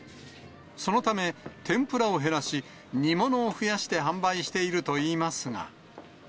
そのため、天ぷらを減らし、煮物を増やして販売しているといいますが。